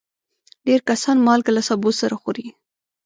ډېر کسان مالګه له سبو سره خوري.